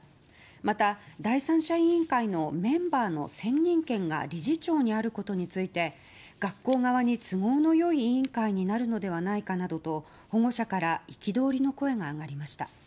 また、第三者委員会のメンバーの選任権が理事長にあることについて学校側に都合の良い委員会になるのではないかなどと保護者から憤りの声が上がりました。